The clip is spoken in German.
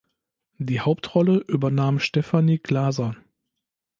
Die Hauptrolle übernahm Stephanie Glaser.